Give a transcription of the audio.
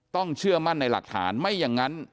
เชื่อมั่นในหลักฐานไม่อย่างนั้น